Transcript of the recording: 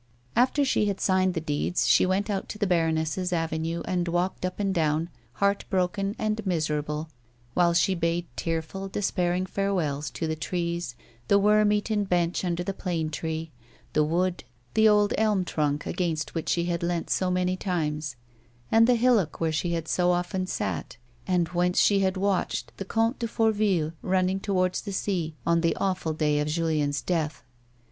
After she had signed the deeds she went out to the baroness's avenue, and walked up and down, heart broken and miserable while she bade tearful, despairing farewells to the trees, the worm eaten bench under the plane tree, the wood, the old elm trunk, against which she had leant so many times, and the hillock, where she had so often sat, and whence she had watched the Comte de Fourville running to wards the sea on the awful day of Julien's death.